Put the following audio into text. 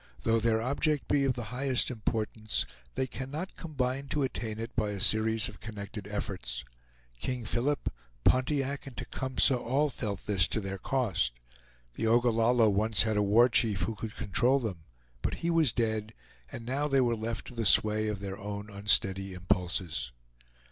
Though their object be of the highest importance, they cannot combine to attain it by a series of connected efforts. King Philip, Pontiac, and Tecumseh all felt this to their cost. The Ogallalla once had a war chief who could control them; but he was dead, and now they were left to the sway of their own unsteady impulses.